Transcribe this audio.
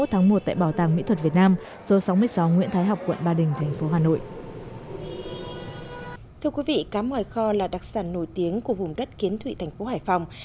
thưa quý vị cá ngoài kho là đặc sản nổi tiếng của vùng đất kiến thụy thành phố hải phòng